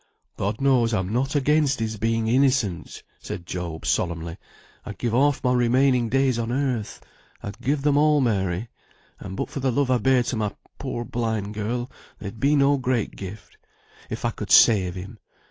"God knows, I'm not against his being innocent," said Job, solemnly. "I'd give half my remaining days on earth, I'd give them all, Mary (and but for the love I bear to my poor blind girl, they'd be no great gift), if I could save him.